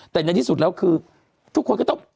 แต่ในที่สุดแล้วคือทุกคนก็ต้อง